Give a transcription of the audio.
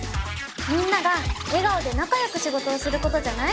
みんなが笑顔で仲よく仕事をすることじゃない？